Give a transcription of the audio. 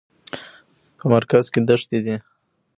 په مرکز کې دښتې دي.